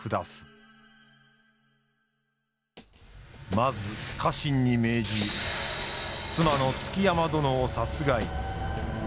まず家臣に命じ妻の築山殿を殺害。